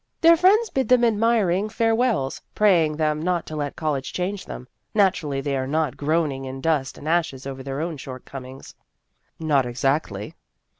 Their friends bid them admiring farewells, praying them not to let college change them. Naturally they are not groaning in dust and ashes over their own short comings." " Not exactly."